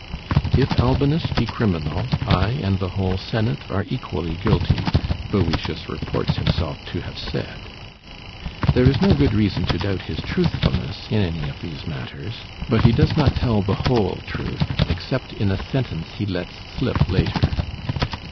"If Albinus be criminal, I and the whole Senate are equally guilty, Boëtius reports himself to have said. There is no good reason to doubt his truthfulness in any of these matters; but he does not tell the whole truth, except in a sentence he lets slip later.